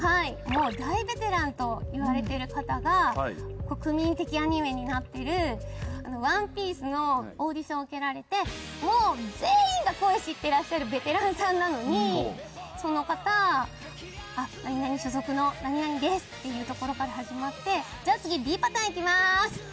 大ベテランといわれてる方が国民的アニメになってる『ＯＮＥＰＩＥＣＥ』のオーディションを受けられてもう全員が声知ってらっしゃるベテランさんなのにその方「何々所属の何々です」って言うところから始まって「じゃあ次Ｂパターン行きます」。